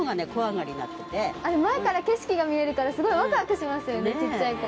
前から景色が見えるからワクワクしますね小っちゃい子。